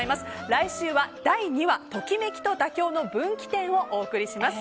来週は第２話「ときめきと妥協の分岐点」をお送りします。